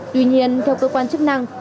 tuy nhiên theo cơ quan chức năng